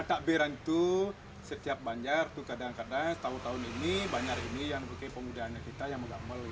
takbiran itu setiap banjar itu kadang kadang setahun tahun ini banjar ini yang buka pemudaannya kita yang menggambel gitu